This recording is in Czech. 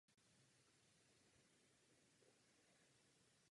Ve dvacátých letech minulého století vznikly v obci hned dva tělovýchovné spolky.